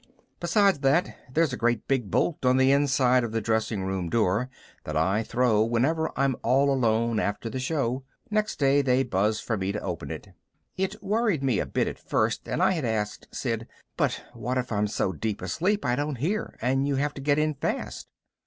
Besides that, there's a great big bolt on the inside of the dressing room door that I throw whenever I'm all alone after the show. Next day they buzz for me to open it. It worried me a bit at first and I had asked Sid, "But what if I'm so deep asleep I don't hear and you have to get in fast?"